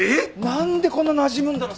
何でこんななじむんだろ。